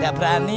saya ga berani